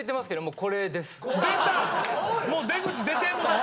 もう出口出てんの？